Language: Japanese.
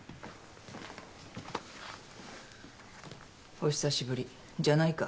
お久しぶりじゃないか。